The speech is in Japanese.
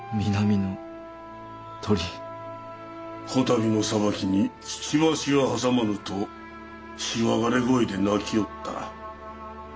こたびの裁きにくちばしは挟まぬとしわがれ声で鳴きおった。